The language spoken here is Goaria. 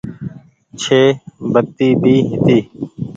ڇي بتي ڀي هيتي۔